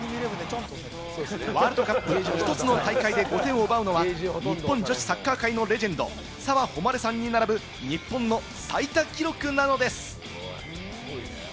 ワールドカップ１つの大会で５点を奪うのは、日本女子サッカー界のレジェンド・澤穂希さんに並ぶ、日本の最多記録なのです！